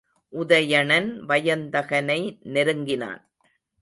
உதயணன் வயந்தகனை நெருங்கினான்.